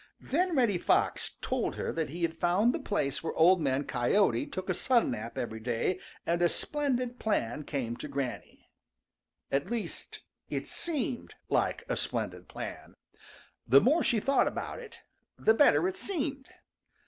Then Reddy Fox told her that he had found the place where Old Man Coyote took a sun nap every day and a splendid plan came to Granny. At least, it seemed like a splendid plan. The more she thought about it, the better it seemed.